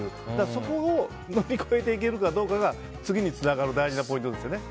そこを乗り越えていけるかどうかが次につながる大事なポイントですね。